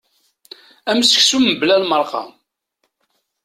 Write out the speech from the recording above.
Am seksu mebla lmerqa.